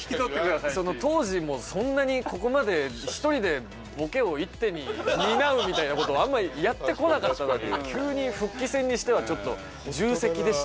当時もそんなにここまで一人でボケを一手に担うみたいなことをあんまりやってこなかったのに急に復帰戦にしてはちょっと重責でしたね。